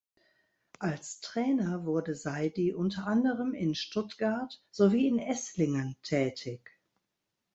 Als Trainer wurde Saidi unter anderem in Stuttgart sowie in Esslingen tätig.